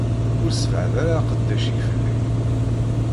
Ur ssebɛad ara aqeddac-ik fell-ak.